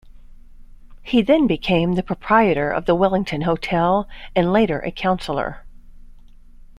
He then became the proprietor of the Wellington Hotel, and later a councillor.